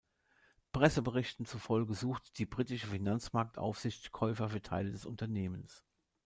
Presseberichten zufolge sucht die britische Finanzmarktaufsicht Käufer für Teile des Unternehmens.